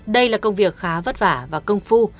đây là công việc khá vất vả và công phu